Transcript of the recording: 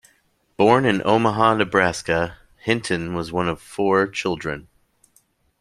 Born in Omaha, Nebraska, Hinton was one of four children.